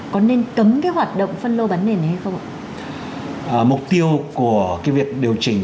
của cái việc điều chỉnh